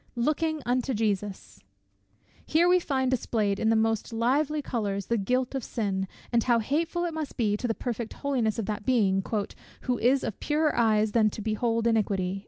LOOKING UNTO JESUS! Here we find displayed, in the most lively colours, the guilt of sin, and how hateful it must be to the perfect holiness of that Being, "who is of purer eyes than to behold iniquity."